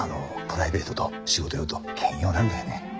プライベートと仕事用と兼用なんだよね。